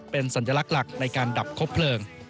เป็นสัญลักษณ์หลักในการดับคบเพลิง